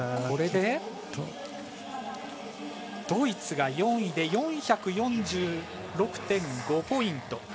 ドイツが４位で４４６．５ポイント。